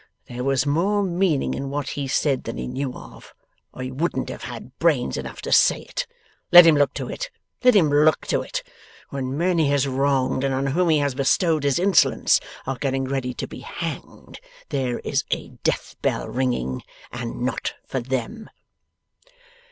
There was more meaning in what he said than he knew of, or he wouldn't have had brains enough to say it. Let him look to it; let him look to it! When men he has wronged, and on whom he has bestowed his insolence, are getting ready to be hanged, there is a death bell ringing. And not for them.